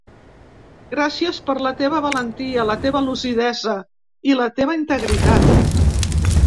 Gràcies per la teva valentia, la teva lucidesa i la teva integritat.